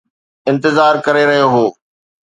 انتظار ڪري رهيو هو